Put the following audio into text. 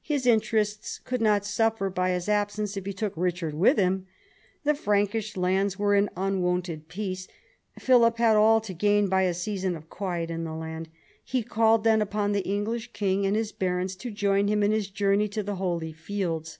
His interests could not suffer by his absence if he took Eichard with him. The Frankish lands were in unwonted peace. Philip had all to gain by a season of quiet in the land. He called then upon the English king and his barons to join him in his journey to the holy fields.